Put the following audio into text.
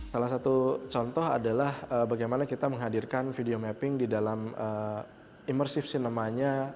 salah satu contoh adalah bagaimana kita menghadirkan video mapping di dalam immersive scene namanya